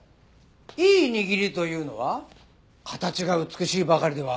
いい握りというのは形が美しいばかりではありません。